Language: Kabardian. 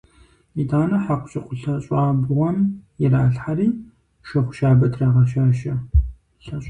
ИтӀанэ хьэкъущыкъу лъэщӀабгъуэм иралъхьэри, шыгъу щабэ трагъэщащэ.